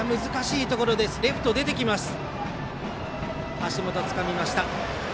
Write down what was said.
橋本つかみました。